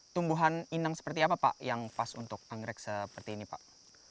tumbuhan inang seperti apa pak yang pas untuk anggrek seperti ini pak